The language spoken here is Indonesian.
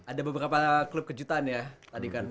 ada beberapa klub kejutan ya tadi kan